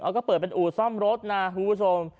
ก็เปิดเป็นอู่ซ่อมรถนะคุณผู้ชม